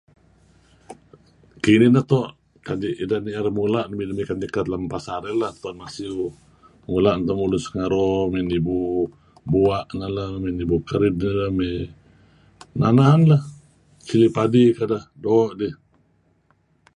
Kinih neto' kadi' ideh ni'er mula' nuk midih nuk mikat-mikat tu'en neh masiew lem pasar lah tu'en masiew, mula' neto lemulun sengaro mey nibu bua' neh leh, nibu kerid , mey na'an-na'an leh. Chili padi kedeh doo' idih.